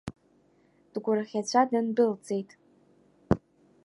Дгәырӷьаҵәа дындәылҵит.